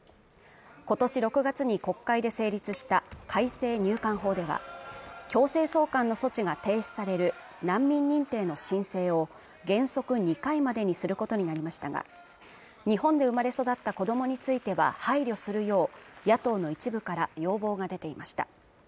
今年６月に国会で成立した改正入管法では強制送還の措置が提出される難民認定の申請を原則２回までにすることになりましたが日本で生まれ育った子どもについては配慮するよう野党の一部から要望が出ていました